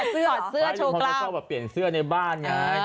เพราะคุณทัศน์ไมก็ชอบเปลี่ยนเสื้อในบ้างไง